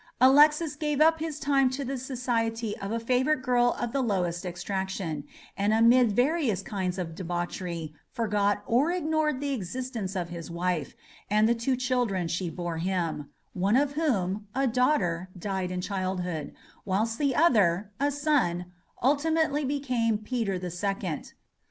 Alexis gave up his time to the society of a favourite girl of the lowest extraction, and amid various kinds of debauchery forgot or ignored the existence of his wife, and the two children she bore him, one of whom, a daughter, died in childhood; whilst the other, a son, ultimately became Peter the Second.